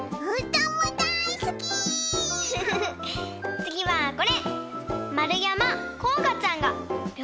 つぎはこれ！